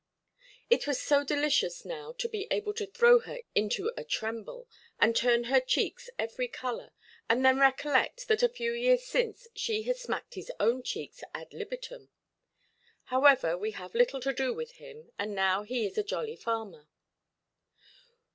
It was so delicious now to be able to throw her into a tremble, and turn her cheeks every colour, and then recollect that a few years since she had smacked his own cheeks ad libitum. However, we have little to do with him, and now he is a jolly farmer.